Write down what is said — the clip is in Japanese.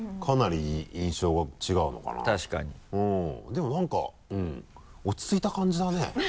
でもなんか落ち着いた感じだね。